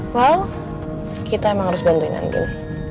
well kita emang harus bantuin andin